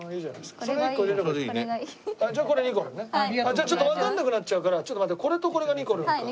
じゃあちょっとわかんなくなっちゃうからちょっと待ってこれとこれがにこるんか。